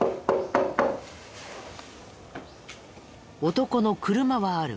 男の車はある。